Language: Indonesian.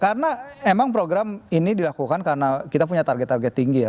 karena memang program ini dilakukan karena kita punya target target tinggi ya